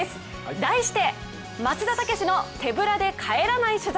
題して「松田丈志の手ぶらで帰らない取材」